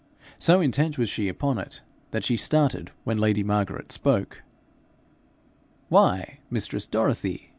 So intent was she upon it that she started when lady Margaret spoke. 'Why, mistress Dorothy!'